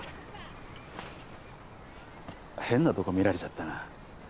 変なとこ見られちゃったな。